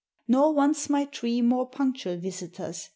Nor wants my tree more punctual visitors.